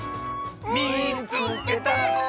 「みいつけた！」。